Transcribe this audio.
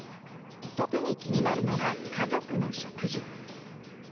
特に気になるのが家族の食事。